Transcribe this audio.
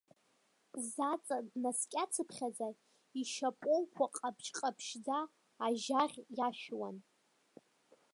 Заҵа днаскьацыԥхьаӡа ишьапоуқәа ҟаԥшьҟаԥшьӡа ажьаӷь иашәуан.